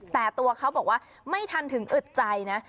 แต่ตัวเขาบอกว่าไม่ทันถึงอึดใจนะ